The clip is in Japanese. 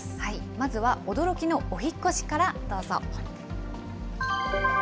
まずは驚きのお引っ越しからどうぞ。